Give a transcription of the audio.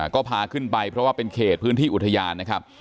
ก็พาขึ้นไปเพราะว่าเป็นเขตพื้นที่อุทยานนะครับ